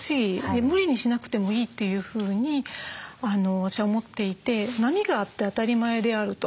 無理にしなくてもいいというふうに私は思っていて波があって当たり前であると。